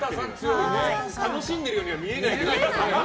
楽しんでいるようには見えないけど。